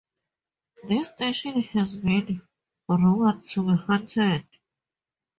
This station has been rumored to be haunted.